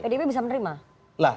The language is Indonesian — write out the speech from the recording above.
pdi bisa menerima